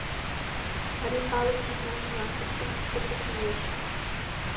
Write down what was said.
Марий калык нужнан ила, пычкемыште почаҥеш.